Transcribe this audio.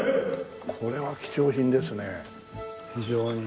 これは貴重品ですね非常に。